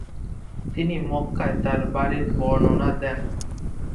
তিনি মক্কায় তার বাড়ির বর্ণনা দেন।